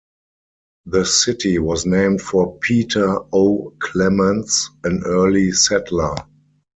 The city was named for Peter O. Clements, an early settler.